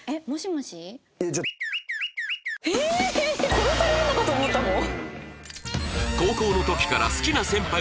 殺されるのかと思ったもん。